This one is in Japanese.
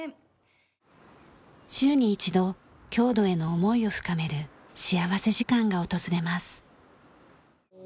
週に一度郷土への思いを深める幸福時間が訪れます。